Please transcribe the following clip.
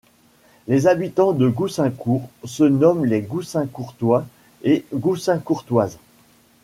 Les habitants de Goussaincourt se nomment les Goussaincourtois et Goussaincourtoises.